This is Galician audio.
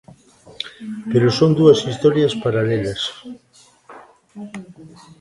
Pero son dúas historias paralelas.